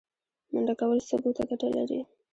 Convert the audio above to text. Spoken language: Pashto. منډه کول سږو ته ګټه لري